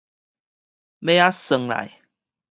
尾仔算來